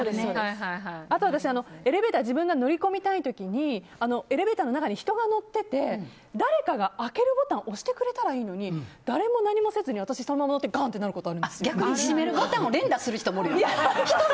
あと、私、エレベーター自分が乗り込みたい時にエレベーターの中に人が乗っていて誰かが明けるボタンを押してくれたらいいのに誰も何もせずにそのまま乗って逆に閉めるボタンを連打する人もおるよな。